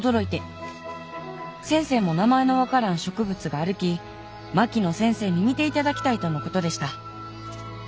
先生も名前の分からん植物があるき槙野先生に見ていただきたいとのことでした」。